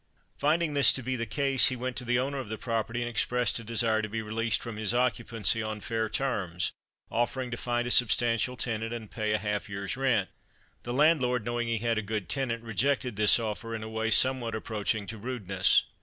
Finding this to be the case, he went to the owner of the property, and expressed a desire to be released from his occupancy on fair terms, offering to find a substantial tenant and pay half a year's rent. The landlord, knowing he had a good tenant, rejected this offer in a way somewhat approaching to rudeness.